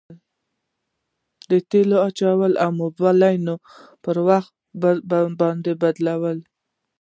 د تیلو ور اچول او د مبلایلو پر وخت باندي بدلول.